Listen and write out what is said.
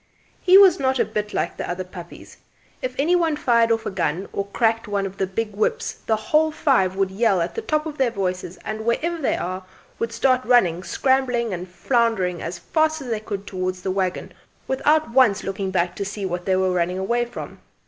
He was not a bit like the other puppies; if any one fired off a gun or cracked one of the big whips the whole five would yell at the top of their voices and, wherever they were, would start running, scrambling and floundering as fast as they could towards the waggon without once looking back to see what they were running away from.